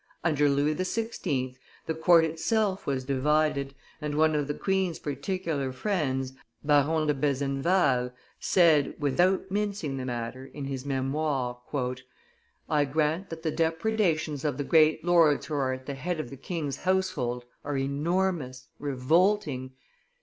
Under Louis XVI., the court itself was divided, and one of the queen's particular friends, Baron do Besenval, said, without mincing the matter, in his Memoires: "I grant that the depredations of the great lords who are at the head of the king's household are enormous, revolting.